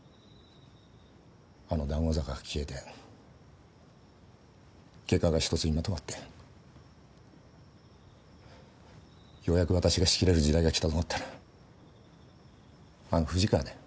あの談合坂が消えて外科がひとつにまとまってようやく私が仕切れる時代が来たと思ったらあの富士川だよ。